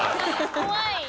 怖い。